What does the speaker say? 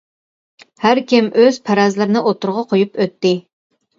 ھەر كىم ئۆز پەرەزلىرىنى ئوتتۇرىغا قويۇپ ئۆتتى.